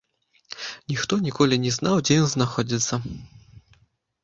Ніхто ніколі не знаў, дзе ён знаходзіцца.